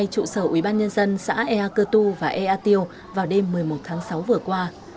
trụ sở ubnd xã ea cơ tu và ea tiêu vào đêm một mươi một tháng sáu vừa qua